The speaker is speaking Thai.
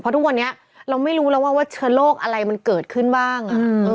เพราะทุกวันนี้เราไม่รู้แล้วว่าเชื้อโรคอะไรมันเกิดขึ้นบ้าง